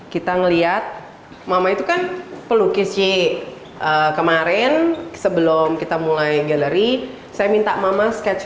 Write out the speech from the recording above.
kita melihat mama itu kan pelukis si kemarin sebelum kita mulai gallery saya minta mama sketch